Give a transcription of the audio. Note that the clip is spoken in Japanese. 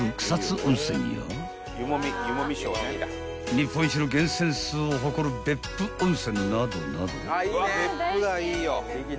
［日本一の源泉数を誇る別府温泉などなど］